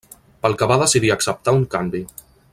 Pel que va decidir acceptar un canvi.